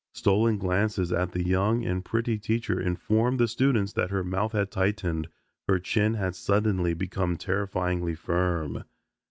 Stolen glances at the young and pretty teacher informed the students that her mouth had tightened, her chin had suddenly become terrifyingly firm.